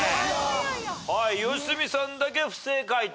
良純さんだけ不正解と。